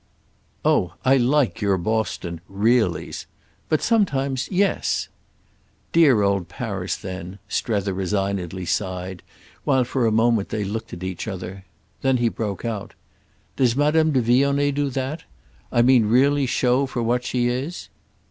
"Oh I like your Boston 'reallys'! But sometimes—yes." "Dear old Paris then!" Strether resignedly sighed while for a moment they looked at each other. Then he broke out: "Does Madame de Vionnet do that? I mean really show for what she is?"